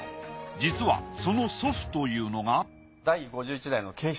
実はその祖父というのがえっ！